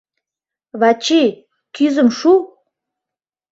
Вачи, кӱзым шу!